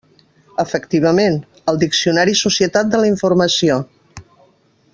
Efectivament, el diccionari Societat de la informació.